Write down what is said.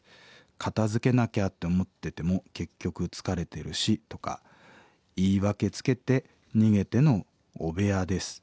片づけなきゃって思ってても結局疲れてるしとか言い訳つけて逃げての汚部屋です。